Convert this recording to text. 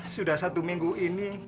sudah satu minggu ini